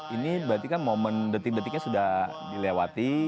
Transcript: ini berarti kan momen detik detiknya sudah dilewati